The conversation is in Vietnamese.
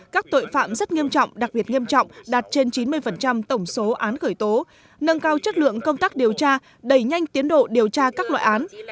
các tội phạm rất nghiêm trọng đặc biệt nghiêm trọng đạt trên chín mươi tổng số án khởi tố nâng cao chất lượng công tác điều tra đẩy nhanh tiến độ điều tra các loại án